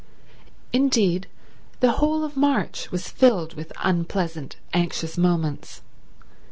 Indeed, the whole of March was filled with unpleasant, anxious moments.